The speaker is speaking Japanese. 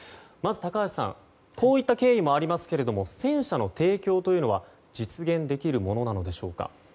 まず、高橋さんこういった経緯もありますけど戦車の提供というのは実現できるものなのでしょうか。